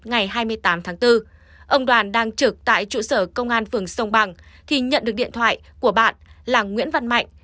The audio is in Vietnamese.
ngày hai mươi tám tháng bốn ông đoàn đang trực tại trụ sở công an phường sông bằng thì nhận được điện thoại của bạn là nguyễn văn mạnh